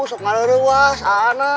sok ngaruh ruah sana